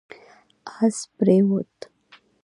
اس پرېووت